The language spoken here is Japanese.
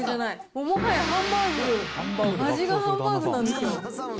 もはやハンバーグ、味がハンバーグなんですよ。